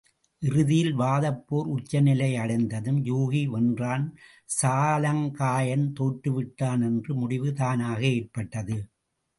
இறுதியில் வாதப் போர் உச்ச நிலையை அடைந்ததும், யூகி வென்றான் சாலங்காயன் தோற்றேவிட்டான் என்ற முடிவு தானாக ஏற்பட்டது.